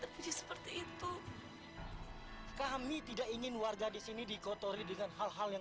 bapak juga diteleponin bapak sah